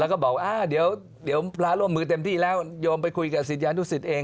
แล้วก็บอกว่าเดี๋ยวพระร่วมมือเต็มที่แล้วโยมไปคุยกับศิษยานุสิตเอง